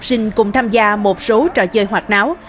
học sinh cùng tham gia một số trò chơi hoạt náo